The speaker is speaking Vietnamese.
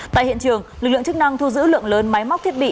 tại hiện trường lực lượng chức năng thu giữ lượng lớn máy móc thiết bị